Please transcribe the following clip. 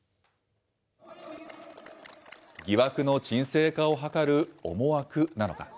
疑惑の鎮静化を図る思惑なのか。